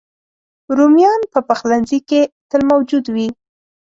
رومیان په پخلنځي کې تل موجود وي